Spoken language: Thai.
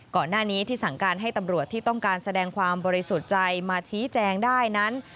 ก่อนหน้านี้ที่สั่งการให้ตำรวจที่ต้องการแสดงความบริสุทธิ์ใจมาชี้แจงได้นั้น